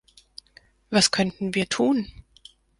Was könnten wir tun?